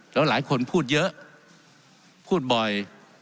แล้วหลายคนพูดเยอะพูดบ่อย